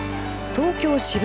東京、渋谷。